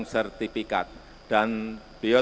tapi sudah sangat berkurang sekali